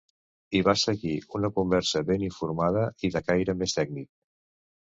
Hi va seguir una conversa ben informada i de caire més tècnic.